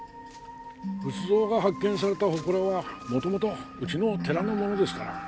仏像が発見されたほこらは元々うちの寺のものですから。